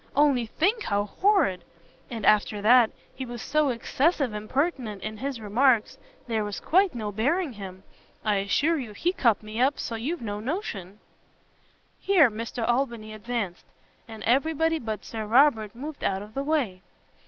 only think how horrid! and after that, he was so excessive impertinent in his remarks, there was quite no bearing him. I assure you he cut me up so you've no notion." Here Mr Albany advanced; and every body but Sir Robert moved out of the way.